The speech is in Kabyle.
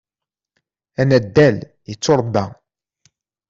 Anaddal yetturebba.